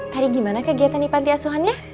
tadi gimana kegiatan ipanti asuhan ya